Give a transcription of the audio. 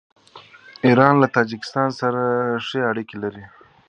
ایران له تاجکستان سره ښې اړیکې لري.